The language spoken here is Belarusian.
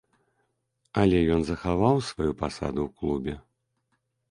Але ён захаваў сваю пасаду ў клубе.